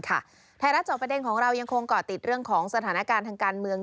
ท้ายรัฐเจาะประเดงของเรายังก่อติดเรื่องสถาณการณ์ทางการเมือง